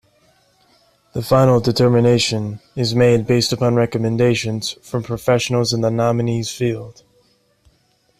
The final determination is made based upon recommendations from professionals in the nominee's field.